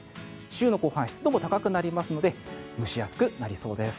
週の後半は湿度も高くなりますので蒸し暑くなりそうです。